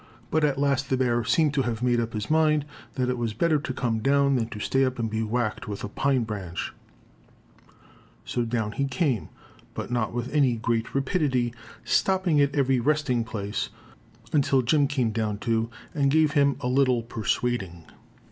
But at last the bear seemed to have made up his mind that it was better to come down than stay up and be whacked with a pine branch, so down he came, but not with any great rapidity, stopping at every resting place, until Jim came down too and gave him a little persuading.